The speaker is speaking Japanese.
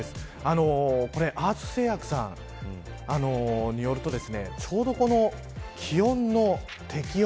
アース製薬さんによるとちょうど気温の適温